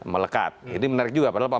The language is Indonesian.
melekat itu menarik juga padahal